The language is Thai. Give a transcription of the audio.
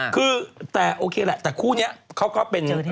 คุณไอ้เขาบอกว่าจะแฟนฟน